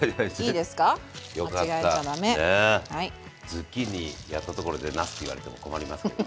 ズッキーニやったところでなすって言われても困りますけど。